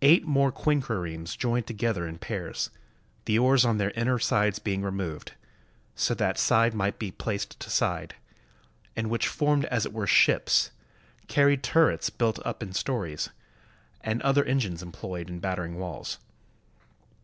Eight more quinquiremes joined together in pairs, the oars on their inner sides being removed, so that side might be placed to side, and which formed as it were ships, carried tur rets built up in stories, and other engines employed in battering walls.